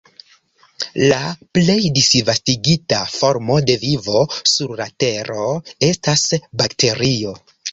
La plej disvastigita formo de vivo sur la Tero estas bakterio.